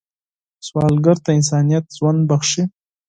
سوالګر ته انسانیت ژوند بښي